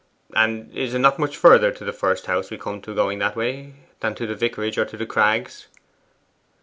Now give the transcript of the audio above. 'And is it not much further to the first house we come to going that way, than to the vicarage or to The Crags?